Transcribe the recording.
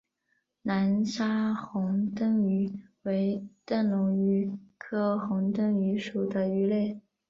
南沙虹灯鱼为灯笼鱼科虹灯鱼属的鱼类。